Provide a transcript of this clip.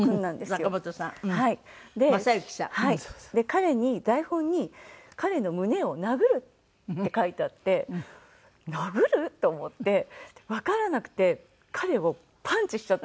彼に台本に「彼の胸を殴る」って書いてあって殴る？と思ってわからなくて彼をパンチしちゃったんですよ。